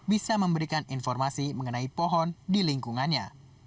bisa memberikan informasi mengenai pohon di lingkungannya